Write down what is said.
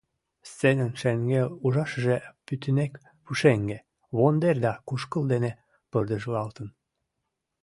Сценын шеҥгел ужашыже пӱтынек пушеҥге, вондер да кушкыл дене пырдыжлалтын.